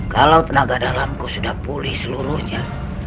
kalau tenaga dalamku sudah pulih seluruhnya